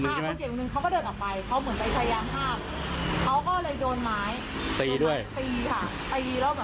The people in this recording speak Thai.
ตีค่ะตีแล้วเหมือนแตกช่วงนี้ค่ะ